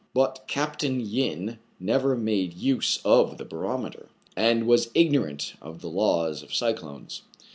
But Capt. Yin never made use of the barometer, and was ignorant of the laws of cyclones.